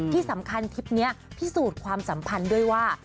ที่สำคัญทริปนี้พิสูจน์ความสัมพันธ์ด้วยว่า